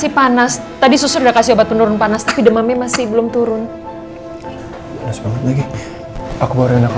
kita akan menghargai perkembangannya ya